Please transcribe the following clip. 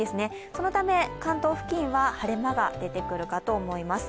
そのため、関東付近は晴れ間が出てくるかと思います。